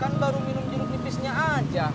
kan baru minum jeruk nipisnya aja